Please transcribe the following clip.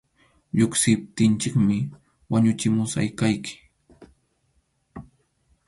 Lluqsiptinchikmi wañuchimusqayki.